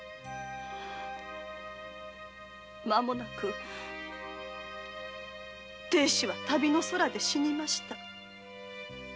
まもなく亭主は旅の空で死にました。